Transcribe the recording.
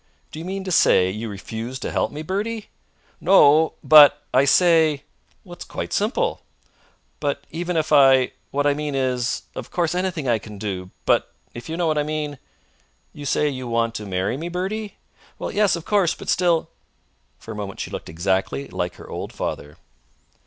"Do you mean to say you refuse to help me, Bertie?" "No; but I say!" "It's quite simple." "But even if I What I mean is Of course, anything I can do but if you know what I mean " "You say you want to marry me, Bertie?" "Yes, of course; but still " For a moment she looked exactly like her old father.